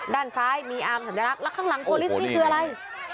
ด้านซ้ายมีอาร์มสัญลักษณ์ข้างหลังโคลิสนี่คืออะไร